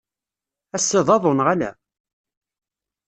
Ass-a d aḍu neɣ ala?